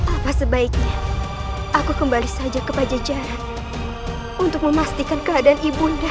apa sebaiknya aku kembali saja ke pajajaran untuk memastikan keadaan ibunda